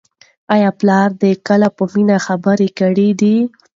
آیا پلار دې کله په مینه خبره کړې ده؟